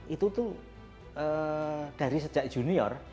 itu tuh dari sejak junior